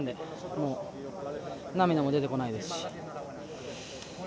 もう涙も出てこないですし。